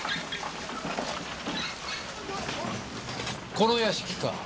この屋敷か。